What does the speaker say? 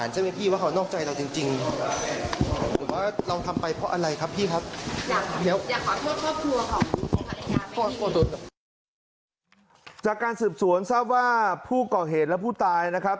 จากการสืบสวนทราบว่าผู้ก่อเหตุและผู้ตายนะครับ